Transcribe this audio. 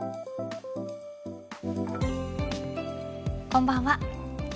こんばんは。